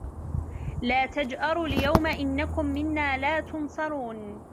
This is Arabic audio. لَا تَجْأَرُوا الْيَوْمَ إِنَّكُمْ مِنَّا لَا تُنْصَرُونَ